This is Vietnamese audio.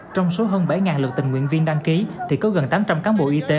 trong số hơn bảy lượt tình nguyện viên đăng ký thì có gần tám trăm linh cán bộ y tế